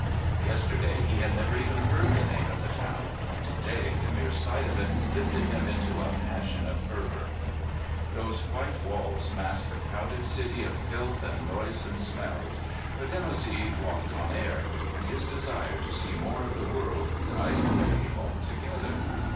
Yesterday he had never even heard the name of the town. To day the mere sight of it lifted him into a passion of fervour. Those white walls masked a crowded city of filth and noisome smells. But Dimoussi walked on air; and his desire to see more of the world died away altogether.